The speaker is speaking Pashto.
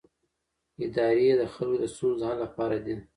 ادارې د خلکو د ستونزو د حل لپاره دي